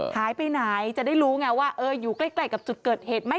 หายไปไหนจะได้รู้ไงว่าอยู่ใกล้กับจุดเกิดเหตุไหม